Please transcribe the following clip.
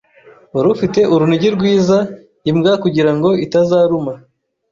Wari ufite urunigi rwiza imbwa kugirango itazaruma.